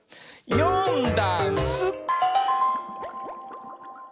「よんだんす」